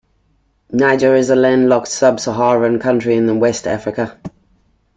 Niger is a landlocked sub-Saharan country in West Africa.